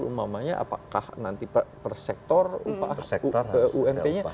umpamanya apakah nanti per sektor ump nya